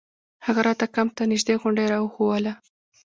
هغه راته کمپ ته نژدې غونډۍ راوښووله.